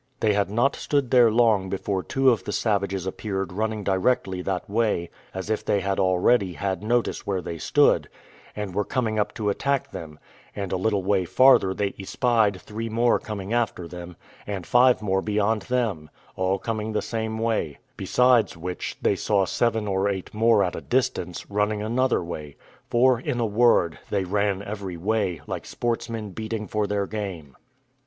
They had not stood there long before two of the savages appeared running directly that way, as if they had already had notice where they stood, and were coming up to attack them; and a little way farther they espied three more coming after them, and five more beyond them, all coming the same way; besides which, they saw seven or eight more at a distance, running another way; for in a word, they ran every way, like sportsmen beating for their game.